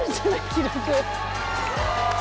記録。